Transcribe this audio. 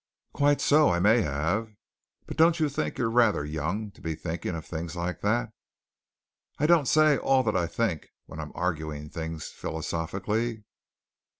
"Quite so. I may have. But don't you think you're rather young to be thinking of things like that? I don't say all that I think when I'm arguing things philosophically.